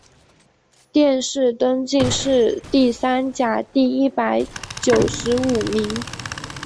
殿试登进士第三甲第一百九十五名。